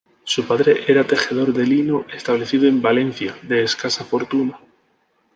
Su padre era tejedor de lino, establecido en Valencia, de escasa fortuna.